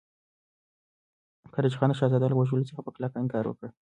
قراچه خان د شهزاده له وژلو څخه په کلکه انکار وکړ.